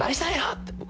って。